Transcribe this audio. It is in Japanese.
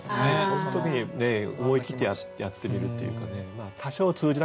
その時に思い切ってやってみるというかね。